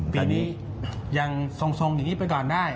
ปีนี้ยังทรงอย่างนี้ไปก่อนได้